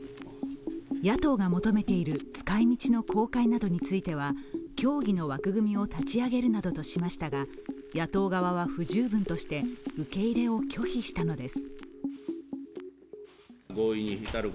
野党が求めている使いみちの公開などについては協議の枠組みを立ち上げるなどとしましたが、野党側は不十分として受け入れを拒否したのです。